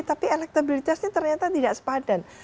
tapi elektabilitasnya ternyata tidak sepadan